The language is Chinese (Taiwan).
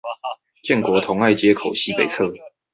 建國同愛街口西北側